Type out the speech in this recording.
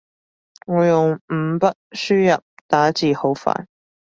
我用五筆輸入打字好快